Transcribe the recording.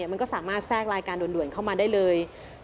มันก็สามารถแทรกรายการด่วนเข้ามาได้เลย